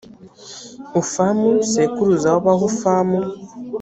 hufamu sekuruza w’abahufamu.